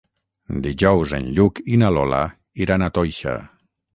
Dijous en Lluc i na Lola iran a Toixa.